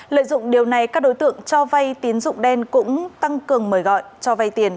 lợi dụng điều này các đối tượng cho vay tín dụng đen cũng tăng cường mời gọi cho vay tiền